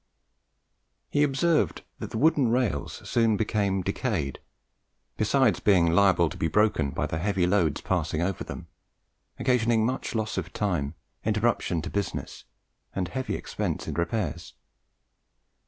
He observed that the wooden rails soon became decayed, besides being liable to be broken by the heavy loads passing over them, occasioning much loss of time, interruption to business, and heavy expenses in repairs.